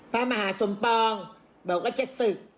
พระมหาสมปองบอกว่าจะศึก